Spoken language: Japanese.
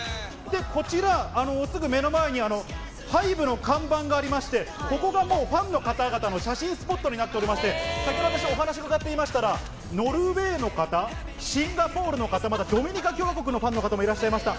こちら、すぐ目の前に、ハイブの看板がありまして、ここがもう、ファンの方々の写真スポットになっておりまして、お話伺って見ましたら、ノルウェーの方、シンガポールの方、またドミニカ共和国のファンの方もいらっしゃいました。